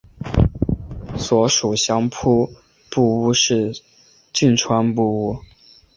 所属相扑部屋是境川部屋。